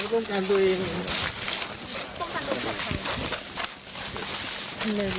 ผมต้องการตัวเอง